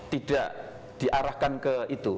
tidak diarahkan ke itu